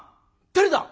「誰だ！？」。